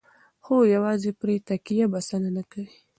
خو یوازې پرې تکیه بسنه نه کوي.